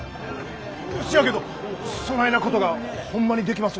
せやけどそないなことがホンマにできますのか？